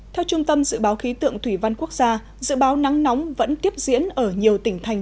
theo trung tâm dự báo khí tượng thủy văn quốc gia dự báo nắng nóng vẫn tiếp diễn ở nhiều tỉnh thành